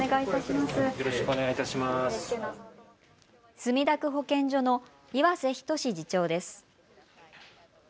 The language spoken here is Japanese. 墨田区保健所の岩瀬均次長です。